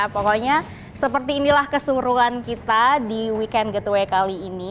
pokoknya seperti inilah keseruan kita di weekend getaway kali ini